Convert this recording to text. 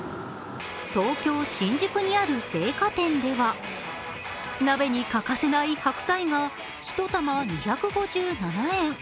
東京・新宿にある青果店では鍋に欠かせない白菜が１玉２５７円。